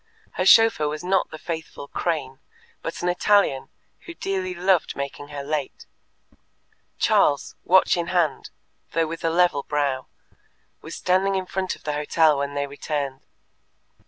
Her chauffeur was not the faithful Crane, but an Italian, who dearly loved making her late. Charles, watch in hand, though with a level brow, was standing in front of the hotel when they returned.